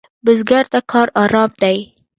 بزګر ته کار آرام دی